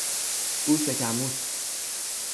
او شکمو است.